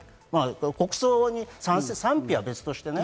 国葬に賛否は別としてね。